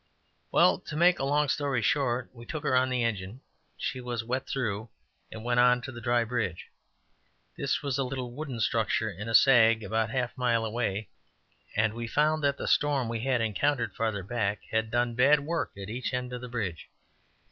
Well, to make a long story short, we took her on the engine she was wet through and went on to the dry bridge. This was a little wooden structure in a sag, about a mile away, and we found that the storm we had encountered farther back had done bad work at each end of the bridge.